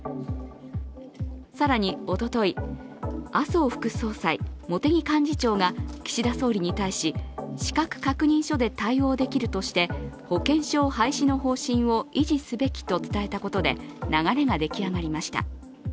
更におととい、麻生副総裁、茂木幹事長が岸田総理に対し資格確認書で対応できるとして保険証廃止の方針を維持すべきと伝えたことで流れが出来上がりました。